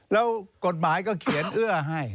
แล้วกฎหมายก็เขียนเอื้อให้